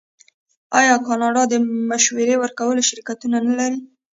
آیا کاناډا د مشورې ورکولو شرکتونه نلري؟